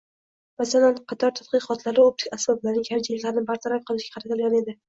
Masalan, qator tadqiqotlari optik asboblarning kamchiliklarini bartaraf qilishga qaratilgan edi